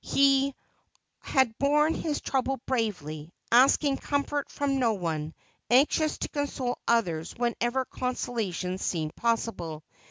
He had borne his trouble bravely, asking comfort from no one, anxious to console others whenever consolation seemed possible.